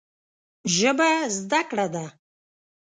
ژبه زده کړه ده